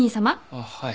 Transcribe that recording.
あっはい。